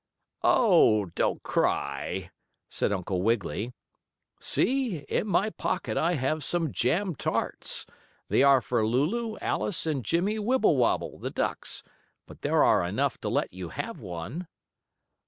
"Oh, don't cry," said Uncle Wiggily. "See, in my pocket I have some jam tarts. They are for Lulu, Alice and Jimmie Wibblewobble, the ducks, but there are enough to let you have one."